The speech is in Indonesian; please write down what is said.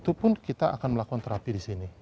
itu pun kita akan melakukan terapi di sini